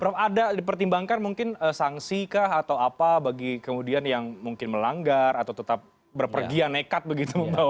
prof ada dipertimbangkan mungkin sanksi kah atau apa bagi kemudian yang mungkin melanggar atau tetap berpergian nekat begitu membawa